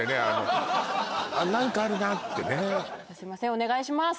お願いします